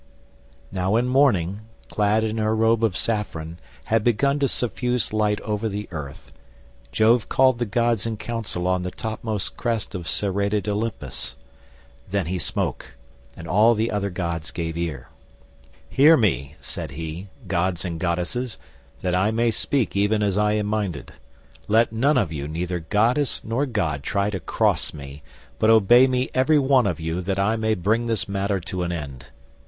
Now when Morning, clad in her robe of saffron, had begun to suffuse light over the earth, Jove called the gods in council on the topmost crest of serrated Olympus. Then he spoke and all the other gods gave ear. "Hear me," said he, "gods and goddesses, that I may speak even as I am minded. Let none of you neither goddess nor god try to cross me, but obey me every one of you that I may bring this matter to an end.